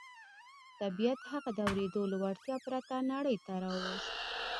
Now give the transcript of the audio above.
طبيعت هغه د اورېدو له وړتيا پرته نړۍ ته راووست.